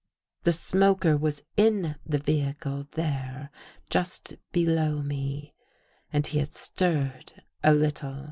The smoker was in the vehicle there just below me, and he had stirred a little.